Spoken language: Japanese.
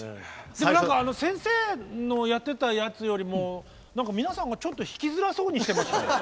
何かあの先生のやってたやつよりも皆さんがちょっと弾きづらそうにしてましたよ。